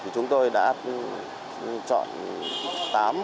chúng tôi đã chọn tám nhóm đối tượng